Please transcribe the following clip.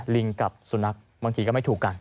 ลิงกับสุนัขบางทีก็ไม่ถูกกัน